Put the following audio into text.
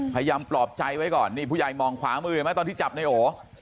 ปลอบใจไว้ก่อนนี่ผู้ใหญ่มองขวามือเห็นไหมตอนที่จับในโอ